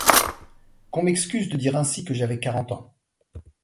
Qu’on m’excuse de dire ainsi que j’avais quarante ans.